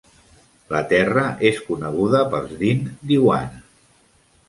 La terra és coneguda pels "Deen Deewana".